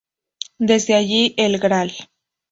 Desde allí, el Gral.